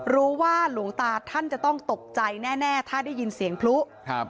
หลวงตาท่านจะต้องตกใจแน่ถ้าได้ยินเสียงพลุครับ